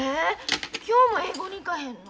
今日も英語に行かへんの？